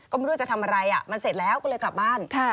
ก็ไม่รู้จะทำอะไรมันเสร็จแล้วก็เลยกลับบ้าน